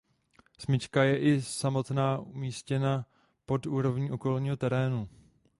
Smyčka je i samotná umístěna pod úrovní okolního terénu.